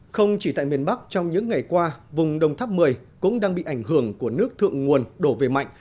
không chỉ tại miền bắc trong những ngày qua vùng đồng tháp một mươi cũng đang bị ảnh hưởng của nước thượng nguồn đổ về mạnh